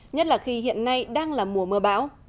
nhất là khi hiện nay đang là mùa mưa bão